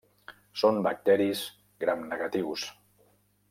Són bacteris gramnegatius.